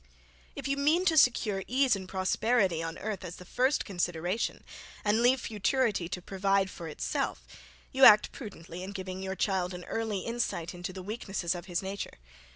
If you mean to secure ease and prosperity on earth as the first consideration, and leave futurity to provide for itself, you act prudently in giving your child an early insight into the weaknesses of his nature.